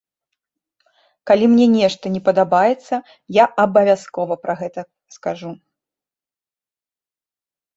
Калі мне нешта не падабаецца, я абавязкова пра гэта скажу.